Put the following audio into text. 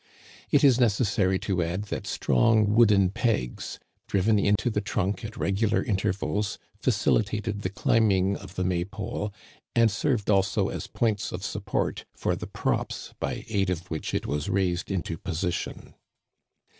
It is necessary to add that strong wooden pegs, driven into the trunk at regular intervals, facilitated the climbing of the May pole, and served also as points of support for the props by aid of which it was raised into position.